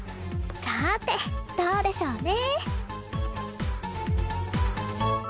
さてどうでしょうね？